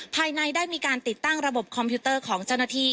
ภายในได้มีการติดตั้งระบบคอมพิวเตอร์ของเจ้าหน้าที่